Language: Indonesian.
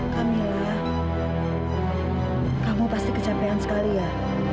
kamila kamu pasti kecapean sekali ya